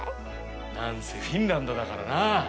なんせフィンランドだからなぁ！